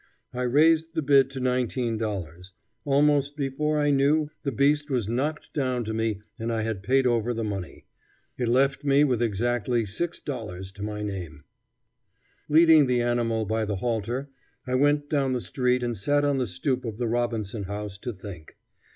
I raised the bid to $19. Almost before I knew, the beast was knocked down to me and I had paid over the money. It left me with exactly $6 to my name. Leading the animal by the halter, I went down the street and sat on the stoop of the Robinson House to think.